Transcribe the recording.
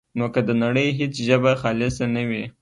نو که د نړۍ هېڅ ژبه خالصه نه وي،